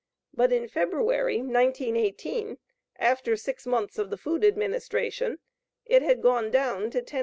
But in February, 1918, after six months of the Food Administration, it had gone down to $10.